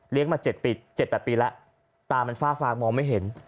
เลี้ยงมา๗๘ปีแล้วตามันฟ้ามองไม่เห็น